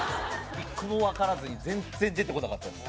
１個もわからず全然出てこなかったです。